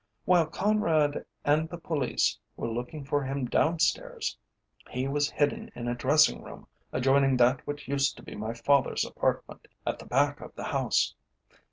While Conrad and the police were looking for him downstairs, he was hidden in a dressing room adjoining that which used to be my father's apartment, at the back of the house.